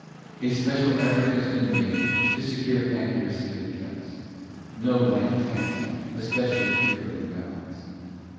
A special effort has been made to secure accuracy of text, no light task, especially with the early ballads.